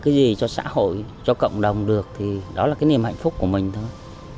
cái gì cho xã hội cho cộng đồng được thì đó là cái niềm hạnh phúc của mình thôi